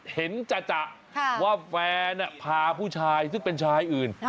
จะว่าแฟนพาผู้ชายซึ่งเป็นชายอื่น